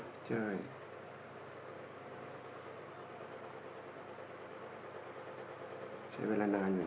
มันใช้เวลานานอยู่น่ะน่ะ